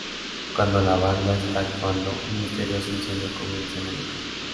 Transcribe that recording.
Cuando la banda está actuando, un misterioso incendio comienza en el local.